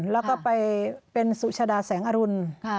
แล้วก็ไปเป็นสุชาดาแสงอรุณ